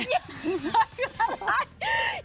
เยี่ยมไปเลยก็อะไร